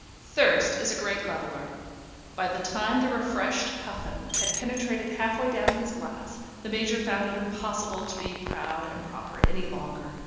Thirst is a great leveller. By the time the refreshed Puffin had penetrated half way down his glass, the Major found it impossible to be proud and proper any longer.